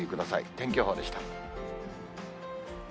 天気予報でした。